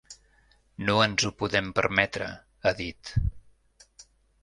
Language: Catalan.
No ens ho podem permetre, ha dit.